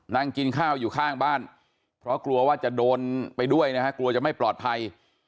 นั่งกินข้าวอยู่ข้างบ้านเพราะกลัวว่าจะโดนไปด้วยนะฮะกลัวจะไม่ปลอดภัย